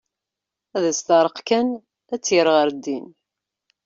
Ad as-teɛreq kan ad tt-yerr ɣer ddin.